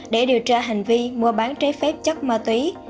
để điều tra hành vi mua bán trái phép chất ma túy